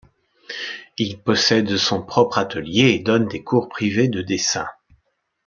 Il possède son propre atelier, et donne des cours privés de dessin.